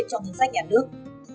trong hình sách nhà nước